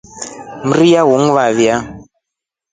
Mria ulingivavia.